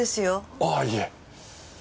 あぁいえ。